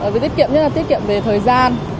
với tiết kiệm nhất là tiết kiệm về thời gian